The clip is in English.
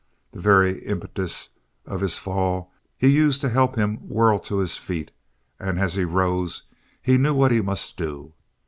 The very impetus of his fall he used to help him whirl to his feet, and as he rose he knew what he must do.